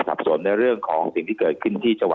ท่านรองโฆษกครับ